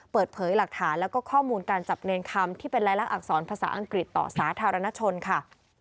เปิดเผยหลักฐานแล้วก็ข้อมูลการจับเนรคำที่เป็นลายลักษณอักษรภาษาอังกฤษต่อสาธารณชนค่ะ